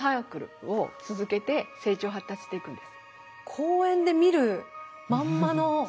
公園で見るまんまの。